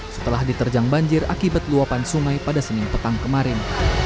setelah diterjang banjir akibat luapan sungai pada senin petang kemarin